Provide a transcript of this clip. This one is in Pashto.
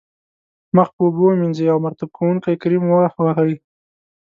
مخ په اوبو ومینځئ او مرطوب کوونکی کریم و وهئ.